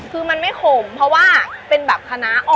คือมันไม่ขมเพราะว่าเป็นแบบทานาอ่อน